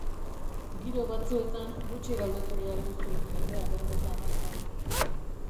Giro batzuetan gutxi galdetu behar duzu jendea berbetan has dadin.